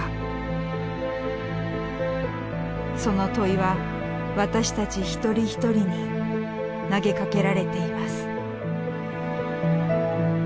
その問いは私たち一人一人に投げかけられています。